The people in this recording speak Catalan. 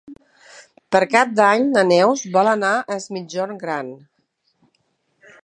Per Cap d'Any na Neus vol anar a Es Migjorn Gran.